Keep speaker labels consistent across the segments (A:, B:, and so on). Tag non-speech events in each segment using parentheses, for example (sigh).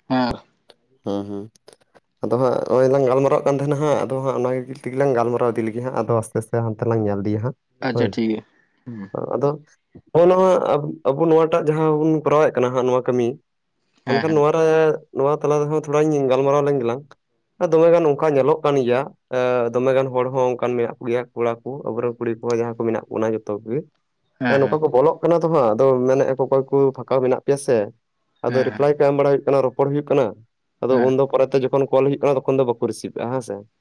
A: (unintelligible)
B: ᱦᱩᱸ ᱦᱩᱸ᱾ ᱟᱫᱚ ᱦᱟᱸᱜ ᱦᱚᱸᱜ-ᱚᱭ ᱞᱟᱝ ᱜᱟᱞᱢᱟᱨᱟᱣ ᱠᱟᱱ ᱛᱟᱦᱮᱱᱟ ᱦᱟᱸᱜ ᱟᱫᱚ ᱦᱟᱸᱜ ᱚᱱᱟ ᱜᱮ ᱜᱮᱞ ᱛᱮᱜᱮ ᱞᱟᱝ ᱜᱟᱞᱢᱟᱨᱟᱣ ᱤᱫᱤ ᱞᱮᱜᱮ ᱦᱟᱸᱜ ᱟᱫᱚ ᱟᱥᱛᱮ ᱟᱥᱛᱮ᱾ ᱛᱮ ᱦᱟᱱᱛᱮ ᱞᱟᱝ ᱧᱮᱞ ᱤᱫᱤᱭᱟ ᱦᱟᱸᱜ
A: ᱟᱪᱪᱷᱟ
B: ᱦᱳᱭ,
A: ᱴᱷᱤᱠ ᱜᱮᱭᱟ ᱦᱩᱸ
B: ᱟᱫᱚ ᱱᱚᱜ ᱱᱚᱣᱟ ᱟᱵᱽ ᱟᱵᱚ ᱱᱚᱣᱟ ᱴᱟᱜ ᱡᱟᱦᱟᱸ ᱵᱚᱱ ᱠᱚᱨᱟᱣᱮᱜ ᱠᱟᱱᱟ ᱦᱟᱸᱜ ᱱᱚᱣᱟ ᱠᱟᱹᱢᱤ᱾
A: ᱦᱮᱸ
B: ᱢᱮᱱᱠᱷᱟᱱ
A: ᱦᱮᱸ
B: ᱱᱚᱣᱟ ᱨᱮ ᱱᱚᱣᱟ ᱛᱟᱞᱟ ᱨᱮᱦᱚᱸ ᱛᱷᱚᱲᱟᱧ ᱜᱟᱞᱢᱟᱨᱟᱣ ᱞᱮᱱ ᱜᱮᱞᱟᱝ ᱾ ᱫᱚᱢᱮ ᱜᱟᱱ ᱱᱚᱠᱟ ᱧᱮᱞᱚᱜ ᱠᱟᱱ ᱜᱮᱭᱟ ᱮ ᱫᱚᱢᱮ ᱜᱟᱱ ᱦᱚᱲ ᱦᱚᱸ ᱚᱱᱠᱟᱱ ᱢᱮᱱᱟᱜ ᱠᱚ ᱜᱮᱭᱟ ᱠᱚᱲᱟ ᱠᱩ ᱟᱵᱚ ᱨᱮᱱ ᱠᱩᱲᱤ ᱠᱚ ᱡᱟᱦᱟᱸᱭ ᱠᱚ ᱢᱮᱱᱟᱜ ᱵᱚᱱᱟ ᱡᱚᱛᱚ ᱠᱚᱜᱮ ᱾ ᱮ
A: ᱦᱮᱸ
B: ᱱᱚᱝᱠᱟ
A: ᱦᱮᱸ
B: ᱠᱚ ᱵᱚᱞᱚᱜ ᱠᱟᱱᱟ ᱛᱚ‌ ᱦᱟᱸᱜ ᱢᱮᱱᱮᱜ-ᱟ ᱟᱫᱚ ᱚᱠᱚᱭ ᱠᱩ ᱯᱷᱟᱠᱟ ᱢᱮᱱᱟᱜ ᱯᱮᱭᱟ ᱥᱮ, ᱟᱫᱚ
A: ᱦᱮᱸ
B: ᱨᱤᱯᱞᱟᱭ ᱠᱮᱢ ᱵᱟᱲᱟ ᱦᱩᱭᱩᱜ ᱠᱟᱱᱟ ᱨᱚᱯᱚᱲ ᱦᱩᱭᱩᱜ ᱠᱟᱱᱟ ᱾
A: ᱦᱮᱸ
B: ᱟᱫᱚ
A: ᱦᱮᱸ
B: ᱩᱱᱫᱚ ᱯᱚᱨᱮ ᱛᱮ ᱡᱚᱠᱷᱚᱱ ᱠᱚᱞ ᱦᱩᱭᱩᱜ ᱠᱟᱱᱟ ᱛᱚᱠᱷᱚᱱ ᱫᱚ ᱵᱟᱠᱚ ᱨᱤᱥᱤᱵᱽ ᱫᱟ ᱦᱮᱸ ᱥᱮ ᱾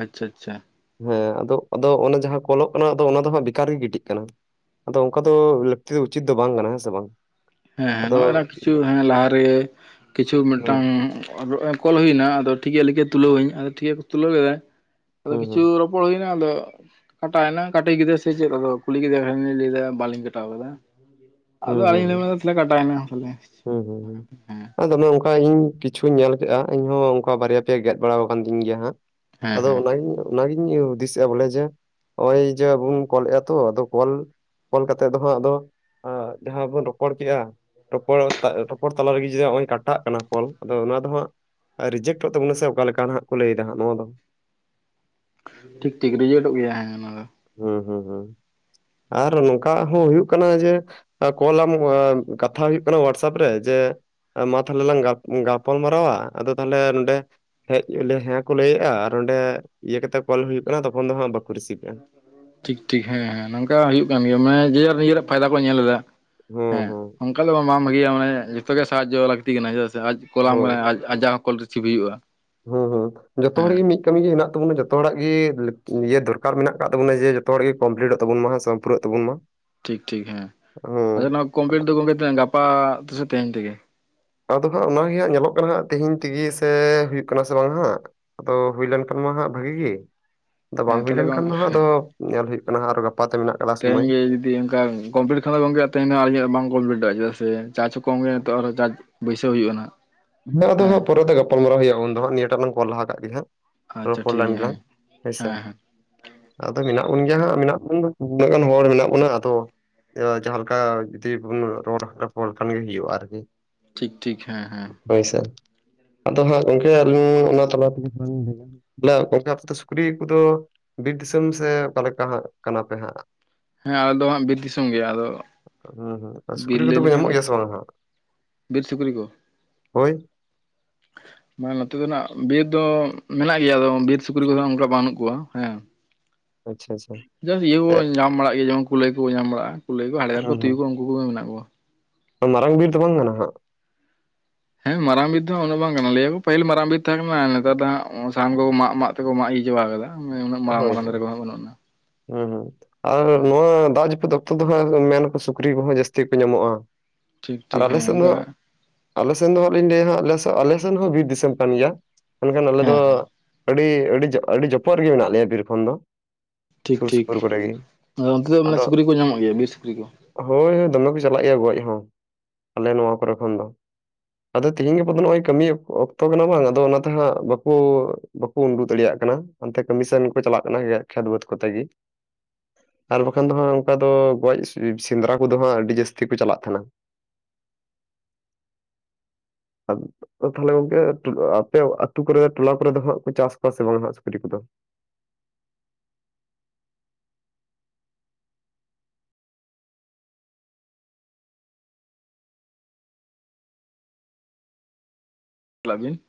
A: ᱟᱪᱪᱷᱟ ᱟᱪᱪᱷᱟ ᱟᱪᱷᱟ᱾
B: ᱦᱮᱸ ᱟᱫᱚ ᱟᱫᱚ ᱚᱱᱮ ᱡᱟᱦᱟᱸ ᱠᱚᱞᱚᱜ ᱠᱟᱱᱟ ᱫᱚ ᱚᱱᱟ ᱫᱚ ᱦᱟᱸᱜ ᱵᱮᱠᱟᱨ ᱜᱮ ᱜᱤᱰᱤᱜ ᱠᱟᱱᱟ ᱾ ᱟᱫᱚ ᱚᱱᱠᱟ ᱫᱚ, ᱞᱟᱹᱠᱛᱤ ᱫᱚ ᱩᱪᱤᱛ ᱫᱚ ᱵᱟᱝ ᱠᱟᱱᱟ ᱦᱮᱸ ᱥᱮ ᱵᱟᱝ᱾
A: ᱦᱮᱸ ᱦᱮᱸ
B: ᱟᱫᱚ
A: ᱱᱚᱜ-ᱚᱭ ᱱᱟ ᱠᱤᱪᱷᱩ ᱦᱮᱸ ᱞᱟᱦᱟ ᱨᱮ, ᱠᱤᱪᱷᱩ ᱢᱤᱜᱴᱟᱝ
B: ᱦᱩᱸ
A: ᱚ ᱨᱩ ᱮ ᱠᱚᱞ ᱦᱩᱭ ᱱᱟ ᱟᱫᱚ ᱴᱷᱤᱠ ᱜᱮᱭᱟ ᱞᱟᱹᱭ ᱠᱮᱜ ᱛᱩᱞᱟᱹ ᱣᱟᱹᱧ, ᱟᱫᱚ ᱴᱷᱤᱠ ᱜᱮᱭᱟ ᱛᱩᱞᱟᱹᱣᱮᱜ-ᱟ ᱟᱫᱚ
B: ᱦᱩᱸ
A: ᱠᱤᱪᱷᱩ
B: ᱦᱩᱸ
A: ᱨᱚᱯᱚᱲ ᱦᱩᱭᱮᱱ᱾ ᱮ ᱟᱫᱚᱼᱼ ᱠᱟᱴᱟᱭ ᱱᱟ ᱠᱟᱴᱤᱡ ᱜᱤᱫᱽᱨᱟᱹ ᱥᱮ ᱪᱮᱫᱞᱮᱠᱟ, ᱟᱫᱚ ᱠᱩᱞᱤ ᱠᱤᱫᱤ‌ ᱠᱷᱟᱡ ᱚᱱᱤᱭ ᱞᱟᱹᱭ ᱫᱟ ᱵᱟᱞᱤᱧ ᱠᱟᱴᱟᱣ ᱠᱟᱫᱟ᱾ ᱟᱫᱚ
B: ᱦᱩᱸ
A: ᱟᱞᱤᱧ ᱞᱟᱹᱭᱟ
B: ᱦᱩᱸ
A: ᱚᱱᱟ ᱫᱚ, ᱛᱟᱦᱚᱞᱮ ᱠᱟᱴᱟᱭ ᱱᱟ ᱯᱟᱞᱮ,
B: ᱦᱩᱸ ᱦᱩᱸ
A: ᱦᱮᱸ
B: ᱦᱩᱸ
A: ᱦᱮᱸ᱾
B: ᱟᱨ ᱫᱚᱢᱮ ᱚᱝᱠᱟ ᱤᱧ ᱠᱤᱪᱷᱩᱧ ᱧᱮᱞ ᱠᱮᱜ-ᱟ, ᱤᱧ ᱦᱚᱸ ᱚᱝᱠᱟ ᱵᱟᱨᱭᱟ ᱯᱮᱭᱟ ᱜᱮᱫ ᱵᱟᱲᱟᱣ ᱠᱟᱱ ᱛᱤᱧ ᱜᱮᱭᱟ ᱦᱟᱸᱜ᱾
A: ᱦᱮᱸ
B: ᱟᱫᱚ
A: ᱦᱮᱸ
B: ᱚᱱᱟ ᱜᱤᱧᱼᱼ ᱛᱚ ᱚᱱᱟ ᱜᱤᱧ ᱦᱩᱫᱤᱥᱮᱜ-ᱟ, ᱵᱚᱞᱮ ᱡᱮ ᱱᱚᱜ-ᱚᱭ ᱡᱮ ᱵᱩᱱ ᱠᱚᱞᱮᱜ- ᱟ ᱛᱚ ᱟᱫᱚ ᱠᱚᱞ ᱠᱚᱞ ᱠᱟᱛᱮᱫ ᱫᱚ ᱦᱟᱸᱜ ᱟᱫᱚ, ᱡᱟᱦᱟᱸ ᱵᱚᱱ ᱨᱚᱯᱚᱲ ᱠᱮᱜᱼᱟ ᱾ ᱨᱚᱯᱚᱲ ᱨᱚᱯᱚᱲ ᱛᱟᱨᱮᱜᱮ ᱡᱩᱫᱤ, ᱱᱚᱜᱼᱚᱭ ᱠᱟᱴᱟᱜ ᱠᱟᱱᱟ ᱠᱚᱞ ᱟᱫᱚ ᱚᱱᱟ ᱫᱚ ᱦᱟᱸᱜ ᱟᱨ ᱨᱤᱡᱮᱠᱴᱚᱜ ᱛᱟᱵᱚᱱᱟ ᱥᱮ ᱚᱠᱟ ᱞᱮᱠᱟ, ᱦᱟᱸᱜ ᱠᱚ ᱞᱟᱹᱭ ᱫᱟᱦᱟᱜ ᱱᱚᱣᱟ ᱫᱚ ᱾
A: ᱴᱷᱤᱠ ᱴᱷᱤᱠ ᱨᱤᱡᱮᱠᱴᱚᱜ ᱜᱮᱭᱟ ᱦᱮᱸ ᱚᱱᱟ ᱫᱚ ᱾
B: ᱦᱩᱸ, ᱦᱩᱸ, ᱦᱩᱸ ᱟᱨ ᱱᱚᱝᱠᱟ, ᱦᱚᱸ ᱦᱳᱭᱩᱜ ᱠᱟᱱᱟ ᱡᱮ ᱠᱚᱞᱟᱢ ᱠᱟᱛᱷᱟ ᱦᱳᱭᱩᱜ ᱠᱟᱱᱟ ᱦᱳᱣᱟᱴᱥᱮᱯ ᱨᱮ, ᱡᱮ ᱢᱟ ᱛᱟᱦᱚᱞᱮ ᱞᱟᱝ ᱜᱟᱯᱟᱞ ᱢᱟᱨᱟᱣᱟ, ᱟᱫᱚ ᱛᱟᱦᱞᱮ ᱱᱚᱰᱮ ᱦᱮᱡᱮ ᱦᱮᱸ ᱠᱚ ᱞᱟᱹᱭᱮᱫᱼᱟ, ᱟᱨ ᱚᱸᱰᱮ ᱤᱭᱟᱹ ᱠᱟᱛᱮᱜ ᱠᱚᱞ ᱦᱩᱭᱩᱜ ᱠᱟᱱᱟ, ᱛᱚᱠᱷᱚᱱ ᱫᱚ ᱦᱟᱸᱜ ᱵᱟᱠᱚ ᱨᱤᱥᱤᱵᱮᱜᱼᱟ ᱾
A: ᱴᱷᱤᱠ ᱴᱷᱤᱠ ᱦᱮᱸ ᱦᱮᱸ ᱱᱚᱝᱠᱟ ᱦᱩᱭᱩᱜ ᱠᱟᱱ ᱜᱮᱭᱟ, ᱢᱟᱱᱮ ᱡᱮ ᱱᱤᱡᱮᱨᱟᱜ ᱯᱷᱟᱭᱫᱟ ᱠᱚ ᱧᱮᱞ ᱮᱫᱟ ᱾
B: ᱦᱩᱸ ᱦᱩᱸ᱾
A: ᱚᱱᱠᱟ ᱫᱚ ᱵᱟᱝ ᱵᱷᱟᱹᱜᱮᱭᱟ ᱢᱟᱱᱮ, ᱡᱚᱛᱚᱜ ᱜᱮ ᱥᱟᱦᱟᱡᱚ ᱞᱟᱹᱠᱛᱤ ᱠᱟᱱᱟ, ᱪᱮᱫᱟᱜ ᱥᱮ ᱟᱡ ᱠᱚᱞᱟᱢ ᱠᱟᱱᱟ ᱟᱡ ᱟᱡᱟᱜ ᱦᱚᱸ ᱠᱚᱞ ᱨᱤᱥᱤᱵᱷ ᱦᱩᱭᱩᱜᱼᱟ ᱾
B: ᱦᱩᱸ, ᱦᱩᱸ, ᱡᱚᱛᱚ ᱦᱚᱲ ᱜᱮ ᱢᱤᱫ ᱠᱟᱹᱢᱤ ᱜᱮ ᱢᱮᱱᱟᱜᱮ ᱦᱮᱱᱟᱜ ᱛᱟᱵᱚᱱᱟ, ᱡᱚᱛᱚ ᱦᱚᱲᱼᱟᱜ ᱜᱮ ᱤᱭᱟᱹ ᱫᱚᱨᱠᱟᱨ ᱢᱮᱱᱟᱜ ᱟᱠᱟᱫ ᱛᱟᱵᱚᱱᱟ ᱡᱮ ᱡᱚᱛᱚ ᱦᱚᱲ ᱜᱮ ᱠᱚᱢᱯᱞᱤᱴᱚᱜ ᱛᱟᱵᱚᱱ ᱢᱟ ᱾ ᱯᱩᱨᱟᱹᱜ ᱛᱟᱵᱚᱱ ᱢᱟ ᱾
A: ᱴᱷᱤᱠ ᱴᱷᱤᱠ ᱦᱮᱸ ᱟᱪᱪᱷᱟ ᱱᱚᱣᱟ ᱠᱚᱢᱯᱤᱭᱴ
B: ᱟᱫᱚ
A: ᱫᱚ, ᱜᱚᱝᱠᱮ ᱜᱟᱯᱟ ᱛᱮᱥᱮ ᱛᱮᱦᱮᱧ ᱛᱮᱜᱮ ᱾
B: ᱟᱫᱚ ᱦᱟᱸᱜ ᱚᱱᱟᱜᱮ ᱦᱟᱸᱜ ᱧᱮᱞᱚᱜ ᱠᱟᱱᱟ, ᱦᱟᱸᱜ ᱛᱮᱤᱦᱤᱧ ᱛᱮᱜᱮ ᱥᱮ ᱦᱩᱭᱩᱜ ᱠᱟᱱᱟ ᱥᱮ ᱵᱟᱝ ᱦᱟᱜ ᱾ ᱟᱫᱚ ᱦᱩᱭ ᱞᱮᱱᱠᱷᱟᱱ ᱢᱟ ᱦᱟᱸᱜ ᱵᱷᱟᱜᱤᱜᱤ ᱜᱮ, ᱟᱫᱚ
A: ᱦᱮᱸ
B: ᱵᱟᱝ ᱦᱩᱭ
A: ᱛᱟᱦᱚᱞᱮ
B: ᱞᱮᱱᱠᱷᱟᱱ
A: ᱜᱚᱝ
B: ᱫᱚᱦᱟᱜ ᱟᱫᱚ ᱧᱮᱞ ᱦᱩᱭᱩᱜ ᱠᱟᱱᱟ, ᱟᱨ ᱜᱟᱯᱟ ᱛᱮ ᱢᱮᱱᱟᱜ-ᱟ ᱾
A: ᱛᱮᱦᱤᱧ ᱜᱮ ᱡᱩᱫᱤ ᱚᱱᱠᱟ ᱠᱚᱢᱯᱞᱤᱴ ᱠᱷᱟᱱ ᱫᱚ ᱜᱚᱝᱠᱮ ᱛᱮᱦᱮ ᱫᱚ ᱵᱟᱝ ᱠᱚᱢᱯᱞᱤᱴ ᱫᱚ-ᱟ, ᱪᱮᱫᱟᱜ ᱥᱮ ᱪᱟᱨᱡᱽ ᱦᱚᱸ ᱠᱚᱢ ᱜᱮᱭᱟ ᱱᱤᱛᱚᱜ ᱟᱨ ᱪᱟᱨᱡᱽ ᱵᱟᱹᱭᱥᱟᱹᱣ ᱦᱳᱭᱩᱜᱼᱟ ᱱᱟᱦᱟᱜ ᱾
B: ᱦᱮᱸ ᱟᱫᱚ ᱦᱟᱸᱜ‌ ᱯᱚᱨᱮ ᱛᱮ ᱜᱟᱟᱞᱢᱟᱨᱟᱣ ᱦᱩᱭᱩᱜᱼᱟ, ᱩᱱᱫᱚᱟᱸᱜ ᱱᱤᱭᱟᱹᱴᱟᱜ ᱞᱟᱝ ᱠᱚᱞ ᱞᱟᱦᱟ ᱠᱟᱜ ᱜᱮ ᱦᱟᱸᱜ ᱾
A: ᱟᱪᱪᱷᱟ
B: ᱨᱚᱯᱚᱲ
A: ᱴᱷᱤᱠ ᱜᱮᱭᱟ ᱦᱮᱸ
B: ᱞᱮᱱᱜᱮᱞᱟᱝ ᱦᱮᱸᱥᱮ
A: ᱦᱮᱸ ᱦᱮᱸ
B: ᱾ ᱟᱫᱚ ᱢᱮᱱᱟᱜ ᱵᱚᱱ ᱜᱮᱭᱟ ᱦᱟᱸᱜ, ᱢᱮᱱᱟᱜ ᱵᱚᱱᱟ ᱛᱤᱱᱟᱹᱜ ᱜᱟᱱ ᱦᱚᱲ ᱢᱮᱱᱟᱜ ᱵᱚᱱᱟ ᱟᱫᱚ ᱾ ᱡᱟᱦᱟᱸ ᱞᱮᱠᱟ ᱡᱩᱫᱤ ᱵᱚᱱ ᱨᱚᱲ, ᱨᱟᱯ ᱞᱮᱠᱷᱟᱱ ᱜᱮ ᱦᱳᱭᱩᱜᱼᱟ ᱟᱨᱠᱤ ᱾
A: ᱴᱷᱤᱠ-ᱴᱷᱤᱠ, ᱦᱮᱸ ᱦᱮᱸ᱾
B: ᱦᱳᱭᱥᱮ ᱟᱫᱚ ᱦᱟᱸᱜ ᱜᱚᱝᱠᱮ, ᱟᱹᱞᱤᱧ ᱚᱱᱟ ᱛᱟᱞᱟ ᱛᱮᱜᱮ ᱞᱤᱧ ᱞᱟᱹᱭᱼᱟ ᱾ ᱜᱚᱢᱠᱮ ᱟᱯᱮ ᱫᱚ ᱥᱩᱠᱨᱤ ᱠᱚᱫᱚ, ᱵᱤᱨ ᱫᱤᱥᱚᱢ ᱥᱮ ᱚᱠᱟ ᱞᱮᱠᱟ ᱦᱟᱸᱜ ᱠᱟᱱᱟ ᱯᱮ ᱦᱟᱸᱜ?
A: ᱦᱮᱸ ᱟᱞᱮ ᱫᱚ ᱦᱟᱸᱜ ᱵᱤᱨ ᱫᱤᱥᱚᱢ ᱜᱮ, ᱟᱫᱚ
B: ᱦᱩᱸ ᱦᱩᱸ
A: ᱵᱤᱨ
B: ᱥᱩᱠᱨᱤ ᱠᱚᱫᱚ
A: ᱞᱟᱹᱭ
B: ᱠᱚ
A: ᱞᱮᱠᱷᱟᱱ
B: ᱧᱟᱢᱚᱜ ᱜᱮᱭᱟ ᱥᱮ ᱵᱟᱝ ᱦᱟᱸᱜ
A: ᱵᱤᱨ ᱥᱩᱠᱨᱤ ᱠᱚ?
B: ᱦᱳᱭ,
A: ᱢᱟᱱᱮ ᱱᱚᱛᱮ ᱫᱚ ᱱᱟᱜ ᱵᱤᱨ ᱫᱚ ᱢᱮᱱᱟᱜ ᱜᱮᱭᱟ, ᱟᱫᱚ ᱵᱤᱨ ᱥᱩᱠᱨᱤ ᱠᱚᱫᱚ ᱚᱱᱠᱟ ᱵᱟᱹᱱᱩᱜ ᱠᱚᱣᱟ ᱦᱮᱸ ᱾
B: ᱟᱪᱪᱷᱟ, ᱟᱪᱪᱷᱟ᱾
A: ᱡᱟᱥᱴ ᱤᱭᱟᱹ ᱠᱚᱠᱚ ᱧᱟᱢ ᱵᱟᱲᱟᱜ ᱜᱮᱭᱟ, ᱡᱮᱢᱚᱱ ᱠᱩᱞᱟᱹᱭ ᱠᱚᱠᱚ ᱧᱟᱢ ᱵᱟᱲᱟᱜᱼᱟ, ᱠᱩᱞᱟᱹᱭ ᱠᱚ ᱦᱟᱰᱜᱟᱨ ᱠᱚ
B: ᱦᱩᱸ
A: ᱛᱩᱭᱩ ᱠᱚ ᱩᱱᱠᱩ ᱠᱚᱜᱮ ᱢᱮᱱᱟᱜ ᱠᱚᱣᱟ ᱾
B: ᱢᱟᱨᱟᱝ ᱵᱤᱨ ᱫᱚ ᱵᱟᱝ ᱠᱟᱱᱟ ᱦᱟᱸᱜ?
A: ᱦᱮᱸ ᱢᱟᱨᱟᱝ ᱵᱤᱫ ᱫᱟ ᱩᱱᱟᱜ ᱵᱟᱝ ᱠᱟᱱᱟ, ᱞᱟᱹᱭ ᱟᱠᱚ ᱯᱟᱹᱦᱤᱞ ᱢᱟᱨᱟᱝ ᱵᱤᱨ ᱛᱟᱦᱮᱸ ᱠᱟᱱᱟ, ᱱᱮᱛᱟᱨ ᱫᱚ ᱦᱟᱜ, ᱥᱟᱦᱟᱱ ᱠᱚ ᱢᱟᱜ ᱢᱟᱜ ᱛᱮᱠᱚ ᱢᱟᱜ ᱤᱭᱟᱹ ᱪᱟᱵᱟ ᱠᱟᱫᱟ ᱾ ᱩᱱᱟᱹᱜ ᱢᱟᱨᱟᱝ
B: ᱦᱳᱭ
A: ᱢᱟᱨᱟᱝ
B: ᱦᱳᱭ
A: ᱫᱟᱨᱮ ᱠᱚᱦᱚᱸ ᱵᱟᱹᱱᱩᱜ ᱟᱱᱟᱺ
B: ᱦᱩᱸ ᱦᱩᱸ᱾ ᱟᱨ ᱱᱚᱣᱟ ᱫᱟᱜ ᱡᱟᱹᱯᱩᱫ ᱚᱠᱛᱚ ᱫᱚ ᱦᱟᱸᱜ ᱢᱮᱱᱟᱠᱚ ᱥᱩᱠᱨᱤ ᱠᱚᱦᱚᱸ ᱡᱟᱹᱥᱛᱤ ᱠᱚ ᱧᱟᱢᱚᱜᱼᱟ᱾
A: ᱴᱷᱤᱠ
B: ᱟᱨ
A: ᱴᱷᱤᱠ
B: ᱟᱞᱮ ᱥᱮᱱ
A: ᱦᱮᱸ
B: ᱫᱚ ᱦᱟᱸᱜ
A: ᱚᱱᱠᱟ
B: ᱟᱞᱮ ᱥᱮᱱ ᱫᱚ ᱦᱟᱸᱜ ᱞᱤᱧ ᱞᱟᱹᱭᱼᱟ ᱦᱟᱸᱜ ᱟᱞᱮ ᱥᱮᱱ ᱦᱚᱸ ᱵᱤᱨ ᱫᱤᱥᱚᱢ ᱠᱟᱱ ᱜᱮᱭᱟ᱾ ᱢᱮᱱᱠᱷᱟᱱ ᱟᱞᱮ ᱫᱚ
A: ᱦᱮᱸ ᱦᱮᱸ
B: ᱟᱹᱰᱤ ᱟᱹᱰᱤ ᱟᱹᱰᱤ ᱡᱚᱯᱚᱜ ᱨᱮᱜᱮ ᱢᱮᱱᱟᱜ ᱞᱮᱭᱟ ᱵᱤᱨ ᱠᱷᱚᱱ ᱫᱚ᱾
A: ᱴᱷᱤᱠ
B: ᱥᱩᱨ
A: ᱴᱷᱤᱠ
B: ᱥᱩᱯᱩᱨ ᱠᱚᱨᱮ ᱜᱮ
A: ᱟᱫᱚ ᱚᱱᱛᱮ ᱫᱚ ᱢᱟᱱᱮ
B: ᱟᱫᱚ
A: ᱥᱩᱠᱨᱤ ᱠᱚ ᱧᱟᱢᱚᱜ ᱜᱮᱭᱟ ᱵᱤᱨ ᱥᱩᱠᱨᱤ ᱠᱚ?
B: ᱦᱳᱭ ᱦᱳᱭ ᱫᱚᱢᱮ ᱠᱚ ᱪᱟᱞᱟᱜ ᱜᱮᱭᱟ ᱜᱚᱡ ᱦᱚᱸ᱾ ᱟᱞᱮ ᱱᱚᱣᱟ ᱠᱚᱨᱮ ᱠᱷᱚᱱ ᱫᱚ᱾ ᱟᱫᱚ ᱛᱤᱦᱤᱧ ᱜᱟᱯᱟ ᱫᱚ ᱱᱚᱜᱚᱭ ᱠᱟᱹᱢᱤ ᱚᱠᱛᱚ ᱠᱟᱱᱟ ᱵᱟᱝ ᱟᱫᱚ ᱚᱱᱟᱛᱮ ᱦᱟᱸᱜ ᱵᱟᱠᱩ ᱵᱟᱠᱚ ᱩᱰᱩᱠ ᱫᱟᱲᱮᱭᱟᱜ ᱠᱟᱱᱟ᱾ ᱚᱱᱛᱮ ᱠᱟᱹᱢᱤᱥᱚᱱ ᱠᱚ ᱪᱟᱞᱟᱜ ᱠᱟᱱᱟ ᱠᱷᱮᱛ ᱵᱟᱹᱫᱽ ᱠᱚᱛᱮ ᱜᱮ᱾ ᱟᱨ ᱵᱟᱠᱷᱟᱱ ᱫᱚ ᱦᱟᱸᱜ ᱚᱱᱠᱟ ᱫᱚ ᱜᱚᱡ ᱥᱮ-ᱥᱮᱸᱫᱽᱨᱟ ᱠᱚᱫᱚ ᱦᱟᱸᱜ ᱟᱹᱰᱤ ᱡᱟᱹᱥᱛᱤ ᱠᱚ ᱪᱟᱞᱟᱜ ᱛᱟᱦᱮᱸᱱᱟ᱾ (inaudible) ᱟᱨ ᱛᱟᱞᱦᱮ ᱜᱚᱝᱠᱮ ᱟᱯᱮ ᱟᱛᱩ ᱠᱚᱨᱮ ᱫᱚ ᱴᱚᱞᱟ ᱠᱚᱨᱮ ᱫᱚ ᱦᱟᱸᱜ ᱠᱚ ᱪᱟᱥ ᱠᱚᱶᱟ ᱥᱮ ᱵᱟᱝ ᱦᱟᱸᱜ ᱥᱩ ᱠᱟᱹᱴᱤᱡ ᱠᱚᱫᱚ᱾
A: ᱞᱟ ᱵᱤᱱ᱾